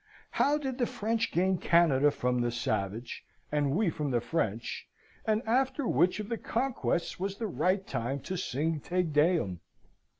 How did the French gain Canada from the savage, and we from the French, and after which of the conquests was the right time to sing Te Deum?